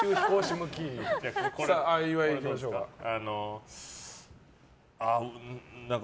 岩井、いきましょうか。